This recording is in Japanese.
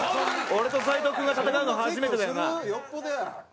俺と斉藤君が戦うの初めてだよな。